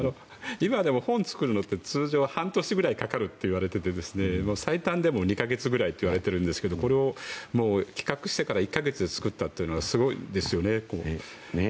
今でも本を作るのって通常半年ぐらいかかるといわれてて最短でも２か月くらいといわれているんですがこれを企画してから１か月で作ったのはすごいですよね。